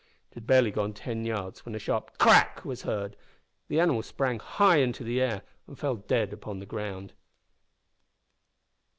It had barely gone ten yards when a sharp crack was heard; the animal sprang high into the air, and fell dead upon the ground.